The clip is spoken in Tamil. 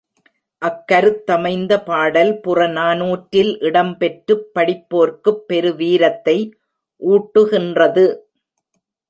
அக்கருத்தமைந்த பாடல் புறநானூற்றில் இடம் பெற்றுப் படிப்போர்க்குப் பெருவீரத்தை ஊட்டுகின்றது.